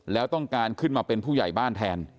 แล้วต้องการขึ้นมาเป็นผู้ใหญ่บ้านแทน